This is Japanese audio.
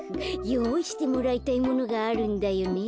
よういしてもらいたいものがあるんだよね。